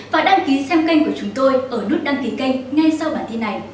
và đăng ký xem kênh của chúng tôi ở nút đăng ký kênh ngay sau bản tin này